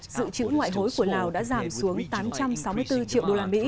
dự trữ ngoại hối của lào đã giảm xuống tám trăm sáu mươi bốn triệu usd